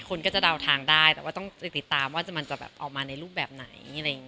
คนก็จะเดาทางได้แต่ว่าต้องติดตามว่ามันจะออกมาในรูปแบบไหน